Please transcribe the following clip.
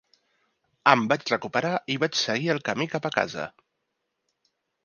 Em vaig recuperar i vaig seguir el camí cap a casa.